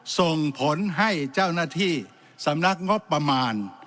ส่งผลให้เจ้าหน้าที่สำนักงบประมาณ